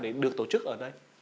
để được tổ chức ở đây